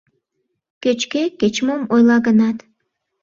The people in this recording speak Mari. Кеч-кӧ кеч-мом ойла гынат